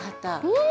うん！